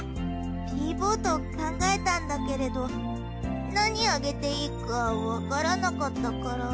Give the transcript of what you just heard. ピー坊と考えたんだけれどなにあげていいかわからなかったから。